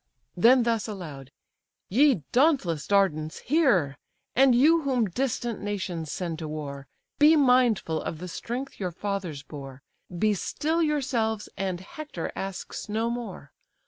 Then thus aloud: "Ye dauntless Dardans, hear! And you whom distant nations send to war! Be mindful of the strength your fathers bore; Be still yourselves, and Hector asks no more.